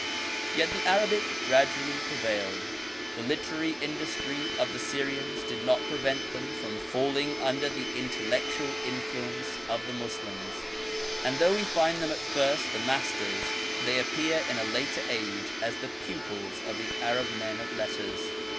Yet the Arabic gradually prevailed. The literary industry of the Syrians did not prevent them from fgllling under the intellectual in fluence of the Moslems, and though we find them at first the masters, they appear in a later age as the pupils of the Arab men of letters.